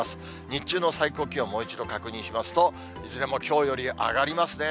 日中の最高気温、もう一度確認しますと、いずれもきょうより上がりますね。